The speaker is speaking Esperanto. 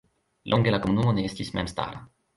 Longe la komunumo ne estis memstara.